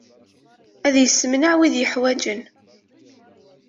Ad yessemneɛ wid yuḥwaǧen.